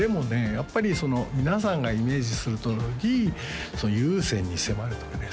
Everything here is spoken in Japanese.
やっぱり皆さんがイメージするとおり有線に迫るとかね